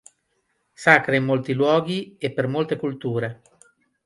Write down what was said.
Sacra in molti luoghi, e per molte culture.